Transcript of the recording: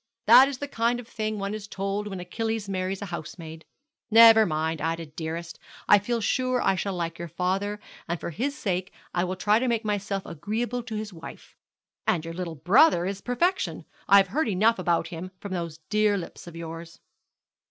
That is the kind of thing one is told when Achilles marries a housemaid. Never mind, Ida, dearest, I feel sure I shall like your father; and for his sake I will try to make myself agreeable to his wife. And your little brother is perfection. I have heard enough about him from those dear lips of yours.'